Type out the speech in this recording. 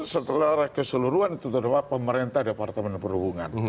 setelah keseluruhan itu adalah pemerintah departemen perhubungan